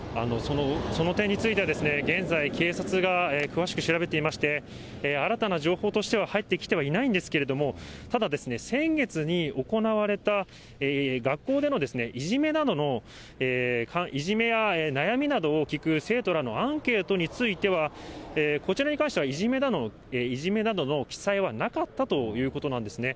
その点については、現在、警察が詳しく調べていまして、新たな情報としては入ってきてはいないんですけれども、ただ、先月に行われた学校でのいじめなどの、いじめや悩みなどを聞く生徒らのアンケートについては、こちらに関してはいじめなどの記載はなかったということなんですね。